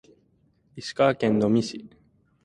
石川県能美市